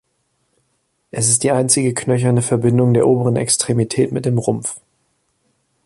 Es ist die einzige knöcherne Verbindung der oberen Extremität mit dem Rumpf.